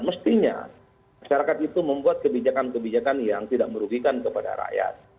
mestinya masyarakat itu membuat kebijakan kebijakan yang tidak merugikan kepada rakyat